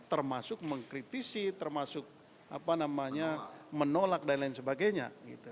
termasuk mengkritisi termasuk menolak dan lain sebagainya